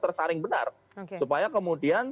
tersaring benar supaya kemudian